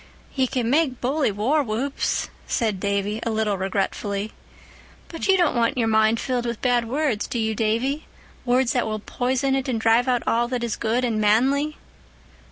"He can make bully war whoops," said Davy a little regretfully. "But you don't want your mind filled with bad words, do you, Davy—words that will poison it and drive out all that is good and manly?"